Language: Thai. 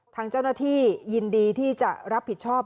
ทางเจ้าหน้าที่ยินดีที่จะรับผิดชอบ